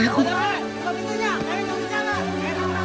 eh ke pintunya